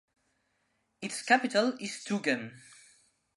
Its capital is Tougan.